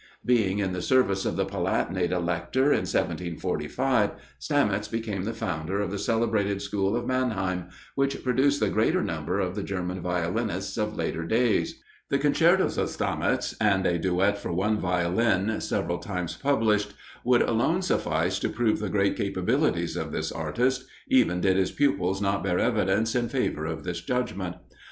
Being in the service of the Palatinate Elector in 1745, Stamitz became the founder of the celebrated school of Mannheim, which produced the greater number of the German violinists of later days. The concertos of Stamitz, and a duet for one Violin, several times published, would alone suffice to prove the great capabilities of this artist: even did his pupils not bear evidence in favour of this judgment.